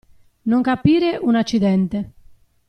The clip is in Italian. Non capire un accidente.